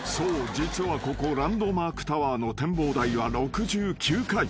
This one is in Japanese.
実はここランドマークタワーの展望台は６９階］